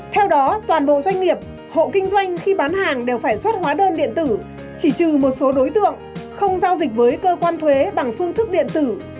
theo đó toàn bộ doanh nghiệp hộ kinh doanh khi bán hàng đều phải xuất hóa đơn điện tử chỉ trừ một số đối tượng không giao dịch với cơ quan thuế bằng phương thức điện tử